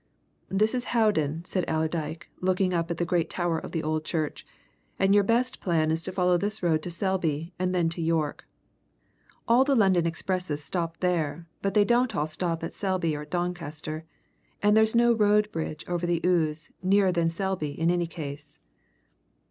"This is Howden," said Allerdyke, looking up at the great tower of the old church. "And your best plan is to follow this road to Selby, and then to York. All the London expresses stop there, but they don't all stop at Selby or at Doncaster. And there's no road bridge over the Ouse nearer than Selby in any case."